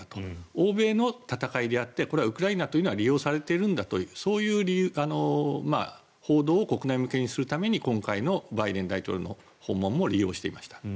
欧米の戦いであってウクライナというのは利用されているんだとそういう報道を国内向けにするために今回のバイデン大統領の訪問も利用していました。